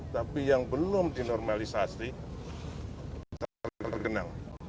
tapi yang belum dinormalisasi terkenang